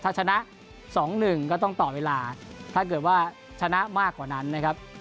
ถ้าชนะ๒๑ก็ต้องต่อเวลาถ้าเกิดว่าชนะมากกว่านั้นนะครับ